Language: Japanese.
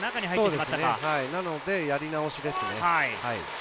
なので、やり直しですね。